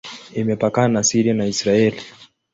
Imepakana na Syria na Israel.